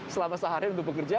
selama seharian untuk bekerja